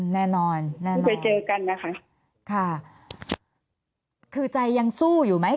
แน่นอนแน่นอนค่ะคือใจยังสู้อยู่ไหม